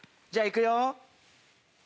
じゃあいくよ。